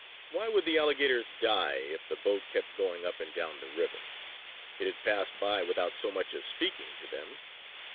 Why would the alligators die if the boat kept going up and down the river? It had passed by without so much as speaking to them!